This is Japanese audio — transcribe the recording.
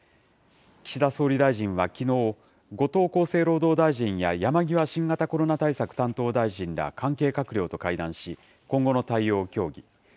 岸田総理大臣はきのう、後藤厚生労働大臣や山際新型コロナ対策担当大臣ら関係閣僚と会談し、今後の対応を協議。